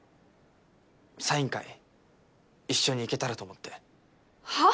サイン会一緒に行けたらと思ってはあ？